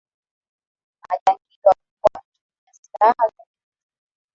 Majangili wamekuwa wakitumia silaha za kivita